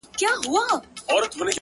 • په سل ځله دي غاړي ته لونگ در اچوم؛